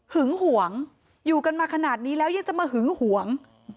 หึงหวงอยู่กันมาขนาดนี้แล้วยังจะมาหึงหวง